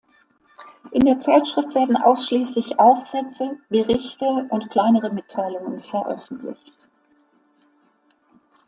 In der Zeitschrift werden ausschließlich Aufsätze, Berichte und kleinere Mitteilungen veröffentlicht.